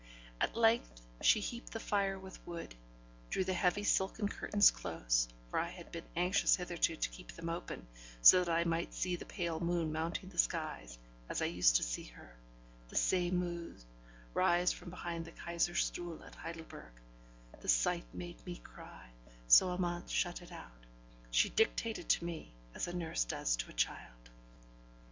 At length she heaped the fire with wood, drew the heavy silken curtains close; for I had been anxious hitherto to keep them open, so that I might see the pale moon mounting the skies, as I used to see her the same moon rise from behind the Kaiser Stuhl at Heidelberg; but the sight made me cry, so Amante shut it out. She dictated to me as a nurse does to a child.